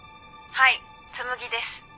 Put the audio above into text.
はい紬です。